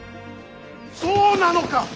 そうなのか！？